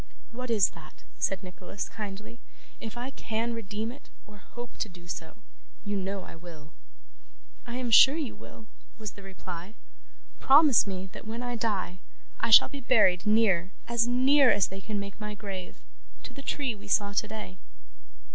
'What is that?' said Nicholas, kindly. 'If I can redeem it, or hope to do so, you know I will.' 'I am sure you will,' was the reply. 'Promise me that when I die, I shall be buried near as near as they can make my grave to the tree we saw today.